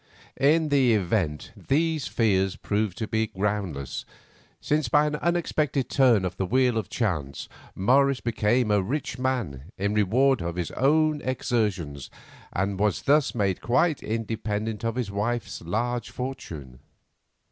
In the event these fears proved to be groundless, since by an unexpected turn of the wheel of chance Morris became a rich man in reward of his own exertions, and was thus made quite independent of his wife's large fortune.